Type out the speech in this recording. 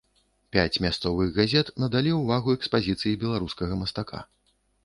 Пяць мясцовых газет надалі ўвагу экспазіцыі беларускага мастака.